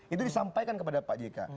itu disampaikan kepada pak jk